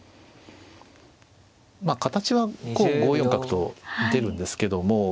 まあ形は５四角と出るんですけども。